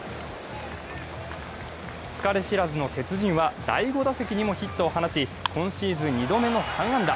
疲れ知らずの鉄人は、第５打席にもヒットを放ち、今シーズン２度目の３安打。